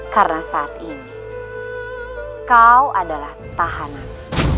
karena saat ini kau adalah tahanan